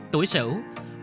tuổi sắc may mắn